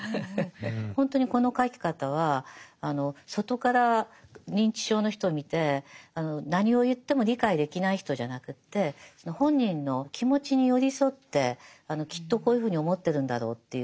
ほんとにこの書き方は外から認知症の人を見て何を言っても理解できない人じゃなくって本人の気持ちに寄り添ってきっとこういうふうに思ってるんだろうっていう